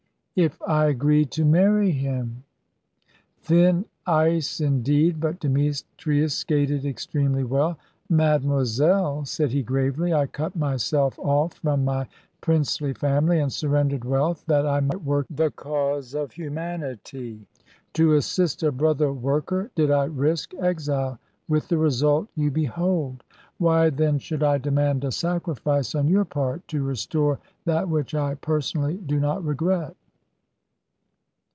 "If I agreed to marry him." Thin ice indeed, but Demetrius skated extremely well. "Mademoiselle," said he, gravely, "I cut myself off from my princely family, and surrendered wealth that I might work in the cause of humanity. To assist a brother worker did I risk exile, with the result you behold. Why, then, should I demand a sacrifice on your part, to restore that which I personally do not regret?"